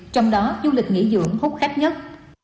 trong đó du lịch nghỉ dưỡng hút khách nhất